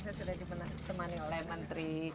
saya sudah ditemani oleh menteri